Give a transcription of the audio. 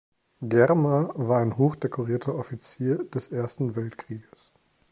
Germer war ein hochdekorierter Offizier des Ersten Weltkrieges.